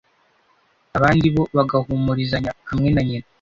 abandi bo bagahumurizanya, hamwe na nyina